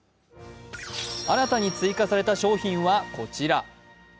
新たに追加された商品はこちら。